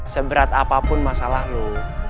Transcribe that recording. seberat apapun masalah lu